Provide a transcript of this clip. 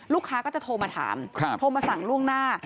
ลูกค้าก็จะโทรมาถามโทรมาสั่งล่วงหน้า